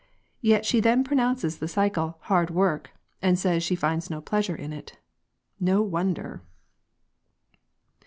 Yet she then pronounces the cycle "hard work," and says she finds no pleasure in it. No wonder!